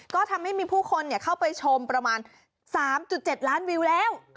ก็ทำให้มีผู้คนเข้าไปชมประมาณ๓๗ล้านวิวแล้ว